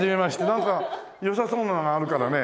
なんか良さそうなのがあるからね。